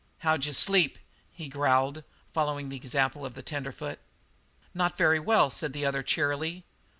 "How'd you sleep?" he growled, following the example of the tenderfoot. "Not very well," said the other cheerily.